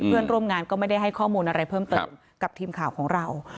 เพื่อนร่วมงานก็ไม่ได้ให้ข้อมูลอะไรเพิ่มเติมกับทีมข่าวของเรา